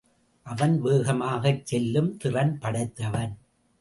அவன் வேகமாகச் செல்லும் திறன் படைத்தவன்.